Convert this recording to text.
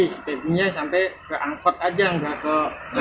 si pegi si peginya sampai ke angkot aja nggak ke terminal